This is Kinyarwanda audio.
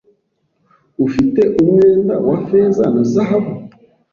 Ufite umwenda wa feza na zahabu